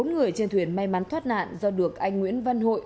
bốn người trên thuyền may mắn thoát nạn do được anh nguyễn văn hội